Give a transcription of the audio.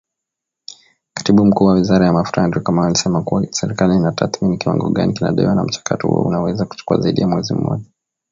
Katibu Mkuu wa Wizara ya Mafuta ,Andrew Kamau, alisema kuwa serikali inatathmini kiwango gani kinadaiwa na mchakato huo unaweza kuchukua zaidi ya mwezi mmoja